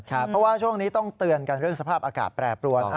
เพราะว่าช่วงนี้ต้องเตือนกันเรื่องสภาพอากาศแปรปรวน